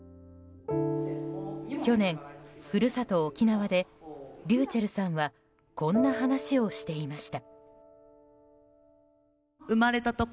去年、故郷・沖縄でｒｙｕｃｈｅｌｌさんはこんな話をしていました。